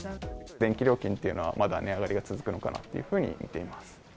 電気料金というのは、まだ値上がりが続くのかなというふうに見ています。